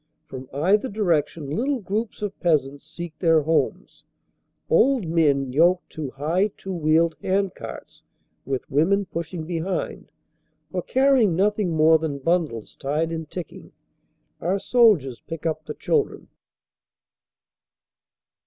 From either direction little groups of peasants seek their homes, old men yoked to high two wheeled hand carts with women pushing behind, or car rying nothing more than bundles tied in ticking. Our sol diers pick up the children.